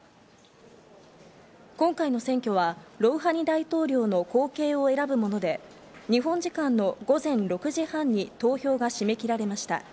今回の選挙はロウハニ大統領の後継を選ぶもので、日本時間の午前６時半に投票が締め切られました。